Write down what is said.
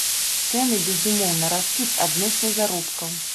Цэны, безумоўна, растуць адносна заробкаў.